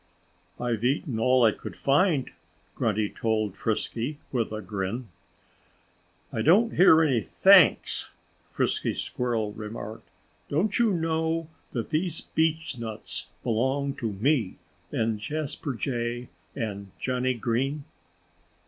"I've eaten all I could find," Grunty told Frisky with a grin. "I don't hear any thanks," Frisky Squirrel remarked. "Don't you know that these beechnuts belong to me and Jasper Jay and Johnnie Green?"